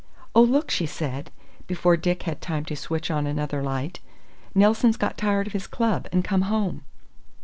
"Oh, look!" she said, before Dick had time to switch on another light. "Nelson's got tired of his club, and come home!"